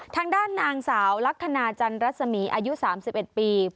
ทางด้านนางสาวลักษณะจันรัศมีอายุ๓๑ปี